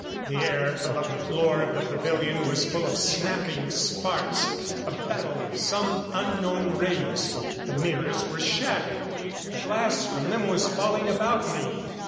The air above the floor of the pavilion was full of snapping sparks a battle of some unknown rays. The mirrors were shattered: glass from them was falling about me.